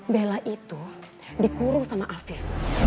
bella itu dikurung sama afif